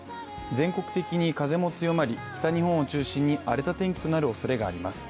全国的に風も強まり、北日本を中心に荒れた天気となるおそれがあります。